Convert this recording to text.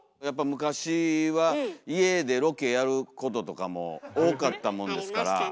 やっぱ昔は家でロケやることとかも多かったもんですから。